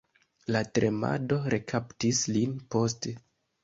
La tremado rekaptis lin poste.